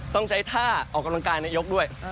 ต้องใช้ท่าออกกำลังกายนายกด้วย